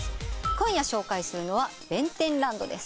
今夜紹介するのは弁天ランドです。